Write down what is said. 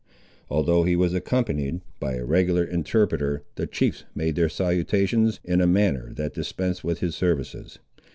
Although he was accompanied by a regular interpreter, the chiefs made their salutations in a manner that dispensed with his services.